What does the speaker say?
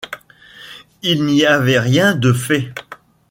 Il n’y avait rien de fait.